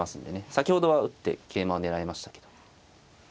先ほどは打って桂馬を狙えましたけど。